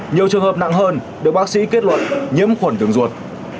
nhiều trường hợp nặng hơn được bác sĩ kết luận nhiễm khuẩn tường ruột